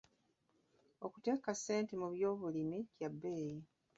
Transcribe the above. Okuteeka ssente mu byobulimi kya bbeeyi.